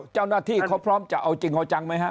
เจ้าหน้าที่เขาพร้อมจะเอาจริงเอาจังไหมฮะ